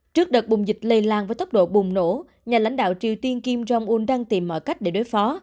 trước đợt bùng dịch lây lan với tốc độ bùng nổ nhà lãnh đạo triều tiên kim jong un đang tìm mọi cách để đối phó